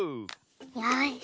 よし。